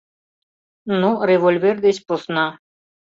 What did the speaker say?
Но револьвер деч посна.